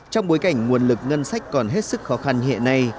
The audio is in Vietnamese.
trong bối cảnh nguồn lực ngân sách còn hết sức khó khăn hệ này